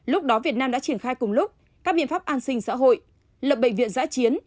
lúc đó việt nam đã triển khai cùng lúc các biện pháp an sinh xã hội lập bệnh viện giã chiến